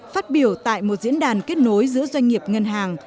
phát biểu tại một diễn đàn kết nối giữa doanh nghiệp ngân hàng